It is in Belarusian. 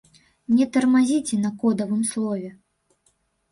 Не тармазіце на кодавым слове!